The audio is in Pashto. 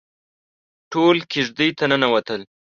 ټول کېږدۍ ته ننوتل.